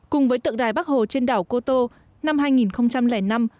cùng với tượng đài bắc hồ trên đảo cô tô năm hai nghìn năm